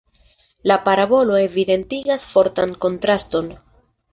La parabolo evidentigas fortan kontraston.